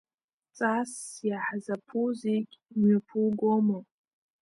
Ҵасс иаҳзаԥу зегь мҩаԥугома?